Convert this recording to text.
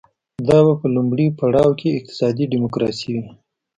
دا به په لومړي پړاو کې اقتصادي ډیموکراسي وي.